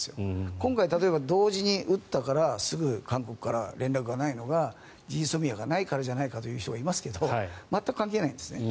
今回例えば同時に撃ったからすぐ韓国から連絡がないのがＧＳＯＭＩＡがないからじゃないかとか言う人がいますが全く関係ないんですね。